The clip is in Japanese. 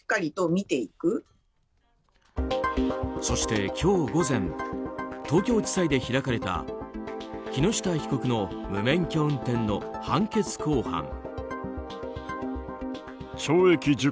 そして今日午前東京地裁で開かれた木下被告の無免許運転の判決公判。